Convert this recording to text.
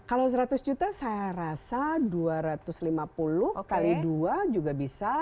kalau seratus juta saya rasa dua ratus lima puluh kali dua juga bisa